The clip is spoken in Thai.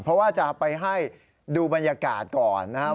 เพราะว่าจะไปให้ดูบรรยากาศก่อนนะครับ